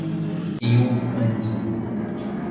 Eu aninho.